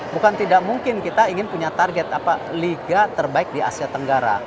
bukan tidak mungkin kita ingin punya target liga terbaik di asia tenggara